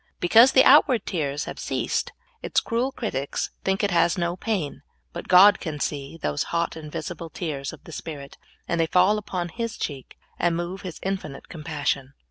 Because the out ward tears have cea.sed, its cruel critics think it has no pain, but God can see those hot, invisible tears of the spirit, and they fall upon His cheek and move His in finite compas.sion.